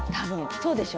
そうでしょ？